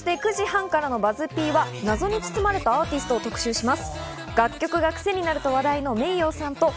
９時半からのＢＵＺＺ−Ｐは謎に包まれたアーティストを特集します。